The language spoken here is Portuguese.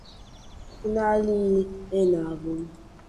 inalienável